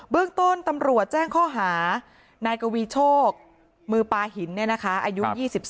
เรื่องต้นตำรวจแจ้งข้อหานายกวีโชคมือปลาหินอายุ๒๒